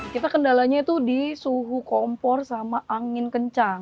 kita kendalanya itu di suhu kompor sama angin kencang